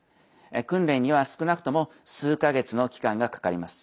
訓練には少なくとも数か月の期間がかかります。